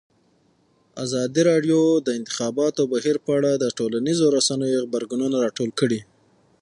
ازادي راډیو د د انتخاباتو بهیر په اړه د ټولنیزو رسنیو غبرګونونه راټول کړي.